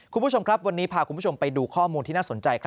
คุณผู้ชมครับวันนี้พาคุณผู้ชมไปดูข้อมูลที่น่าสนใจ